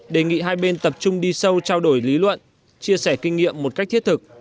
đề nghị hai bên tập trung đi sâu trao đổi lý luận chia sẻ kinh nghiệm một cách thiết thực